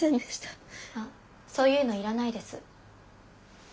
あっそういうのいらないです。